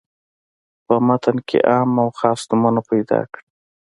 په متن کې عام او خاص نومونه پیداکړي.